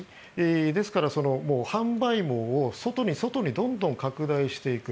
ですから、販売網を外に外にどんどん拡大していく。